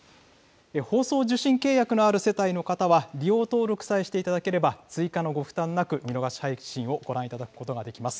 放送受信契約のある世帯の方は利用登録さえしていただければ、追加のご負担なく、見逃し配信をご覧いただくことができます。